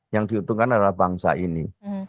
yang diuntungkan adalah bangsa ini